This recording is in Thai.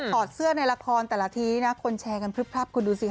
อดเสื้อในละครแต่ละทีนะคนแชร์กันพลึบพลับคุณดูสิ